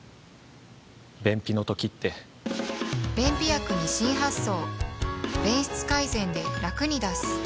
便秘の時って便秘薬に新発想